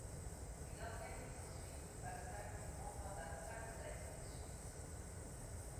Il organise ensuite le passage du Grand-rabbin Salzer en Suisse.